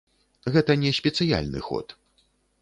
Гэта не спецыяльны ход.